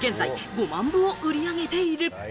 ５万部を売り上げている。